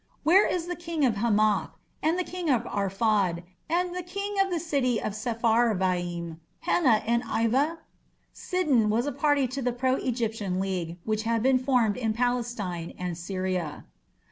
Where is the king of Hamath, and the king of Arphad, and the king of the city of Sepharvaim, Hena, and Ivah?" Sidon was a party to the pro Egyptian league which had been formed in Palestine and Syria.